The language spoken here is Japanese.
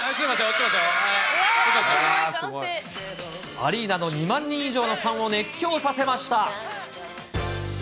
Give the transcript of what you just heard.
アリーナの２万人以上のファンを熱狂させました。